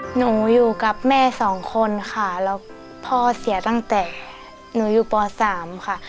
หนูอยู่กับแม่สองคนค่ะแล้วพ่อเสียตั้งแต่หนูอยู่ป๓ค่ะ